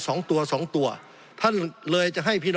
สงบจนจะตายหมดแล้วครับ